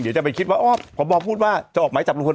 เดี๋ยวจะไปคิดว่าพบพูดว่าจะออกหมายจับลุงพล